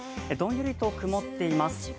どんよりと曇っています。